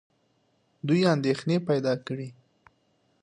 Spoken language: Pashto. دوی اندېښنې پیدا کړې.